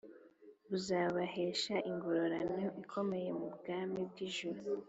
buzabahesha ingororano ikomeye mubwami bwijuru